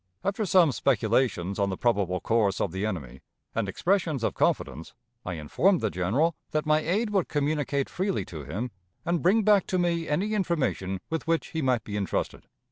After some speculations on the probable course of the enemy, and expressions of confidence, I informed the General that my aide would communicate freely to him and bring back to me any information with which he might be intrusted.